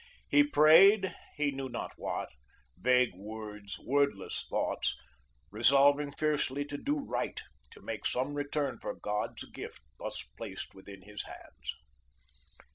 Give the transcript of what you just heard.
He prayed, he knew not what, vague words, wordless thoughts, resolving fiercely to do right, to make some return for God's gift thus placed within his hands.